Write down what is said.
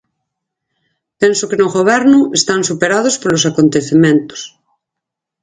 Penso que no Goberno están superados polos acontecementos.